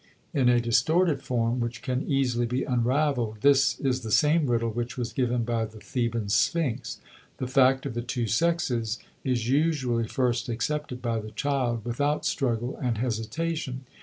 In a distorted form, which can easily be unraveled, this is the same riddle which was given by the Theban Sphinx. The fact of the two sexes is usually first accepted by the child without struggle and hesitation.